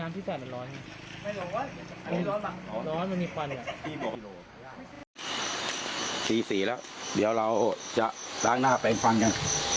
ตี๔แล้วเดี๋ยวเราจะล้างหน้าไปฟังกัน